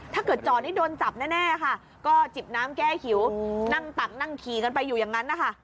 จอดนี่โดนจับแน่ค่ะก็จิบน้ำแก้หิวนั่งตักนั่งขี่กันไปอยู่อย่างนั้นนะคะ